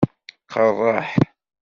Qeṛṛeḥ.